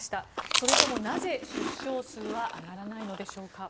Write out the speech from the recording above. それでもなぜ出生数は上がらないのでしょうか。